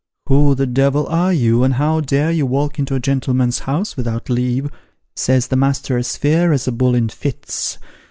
' Who the devil are you, and how dare you walk into a gentleman's house without leave ?' says the master, as fierce as a bull in fits.